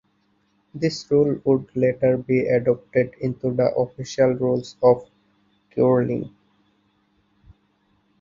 This rule would later be adopted into the official rules of curling.